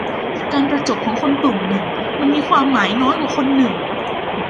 การประจบของคนกลุ่มหนึ่งมันมีความหมายน้อยกว่าคนหนึ่ง